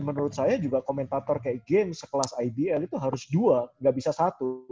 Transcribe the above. menurut saya juga komentator kayak games sekelas ibl itu harus dua gak bisa satu